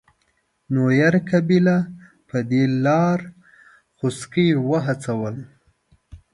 نوير قبیله په دې لار خوسکي وهڅول.